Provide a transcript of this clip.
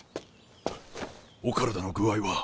お体の具合は？